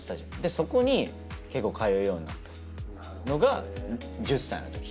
そこに結構通うようになったのが１０歳のとき。